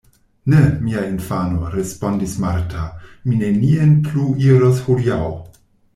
Ne, mia infano, respondis Marta, mi nenien plu iros hodiaŭ.